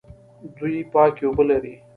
دوی پاکې اوبه لري.